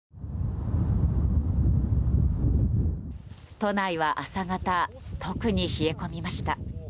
都内は朝方特に冷え込みました。